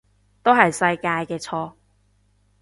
都係世界嘅錯